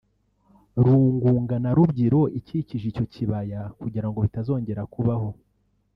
Rungunga na Rubyiro ikikije icyo kibaya kugira ngo bitazongera kubabaho